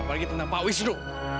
apalagi tentang pak wisnu